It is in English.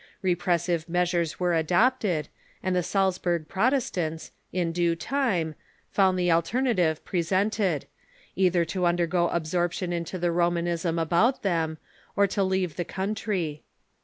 Repressive meas ures were adopted, and the Salzburg Protestants, in due time, found the alternative presented — either to undergo absorption into the Romanism about them, or to leave the coun try.